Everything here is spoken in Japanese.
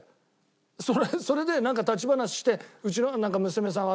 それでなんか立ち話してうちの娘さんはああだ